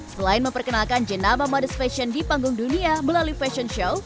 selain memperkenalkan jenaba modest fashion di panggung dunia melalui fashion show